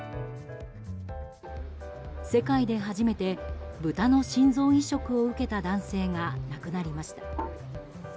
世界で初めてブタの心臓移植を受けた男性が亡くなりました。